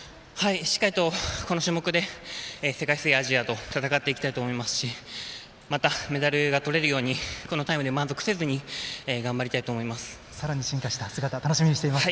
しっかりとこの種目で世界水泳、アジアと戦っていきたいと思いますしまた、メダルが取れるようにこのタイムで満足せずにさらに進化した姿を楽しみにしています。